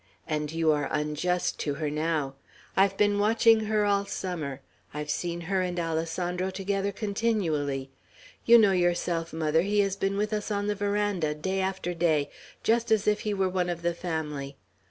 And you are unjust to her now. I've been watching her all summer; I've seen her and Alessandro together continually. You know yourself, mother, he has been with us on the veranda, day after day, just as if he were one of the family.